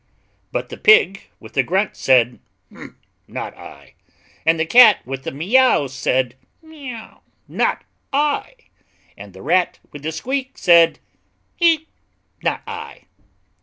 But the Pig, with a grunt, said, "Not I," and the Cat, with a meow, said, "Not I," and the Rat, with a squeak, said, "Not I."